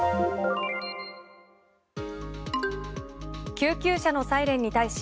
救急車のサイレンに対し